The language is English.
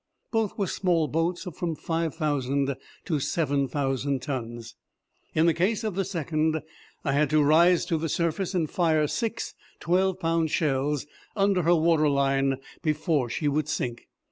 Both were small boats of from five thousand to seven thousand tons. In the case of the second, I had to rise to the surface and fire six twelve pound shells under her water line before she would sink.